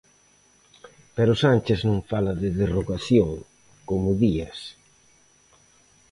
Pero Sánchez non fala de derrogación, como Díaz.